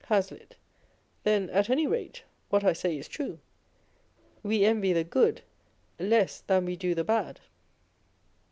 HazlitL Then, at any rate, what I say is true : we envy the good less than we do the bad.